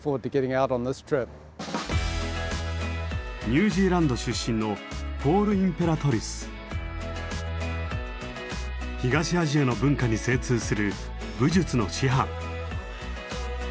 ニュージーランド出身の東アジアの文化に精通する武術の師範。